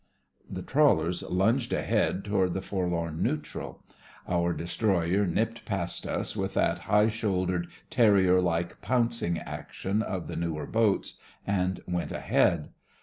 '" The trawlers lunged ahead toward the forlorn neutral. Our destroyer nipped past us with that high shouldered, terrier like pouncing ac tion of the newer boats, and went ahead.